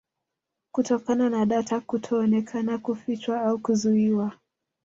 Kutokana na data kutoonekana kufichwa au kuzuiwa